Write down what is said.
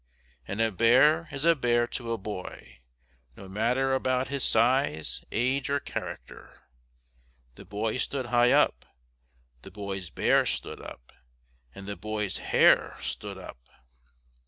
And a bear is a bear to a boy, no matter about his size, age or character. The boy stood high up. The boy's bear stood up. And the boy's hair stood up!